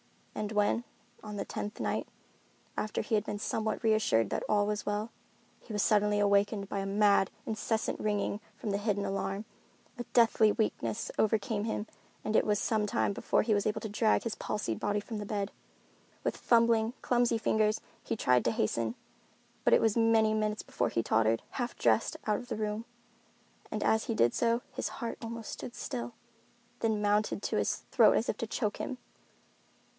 And when—on the tenth night, after he had been somewhat reassured that all was well—he was suddenly awakened by a mad, incessant ringing from the hidden alarm, a deathly weakness overcame him and it was some time before he was able to drag his palsied body from the bed. With fumbling, clumsy fingers he tried to hasten, but it was many minutes before he tottered, half dressed, out of the room. And as he did so, his heart almost stood still, then mounted to his throat as if to choke him.